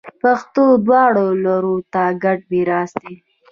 پښتو دواړو لورو ته ګډ میراث دی.